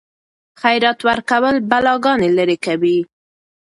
خیرات ورکول بلاګانې لیرې کوي.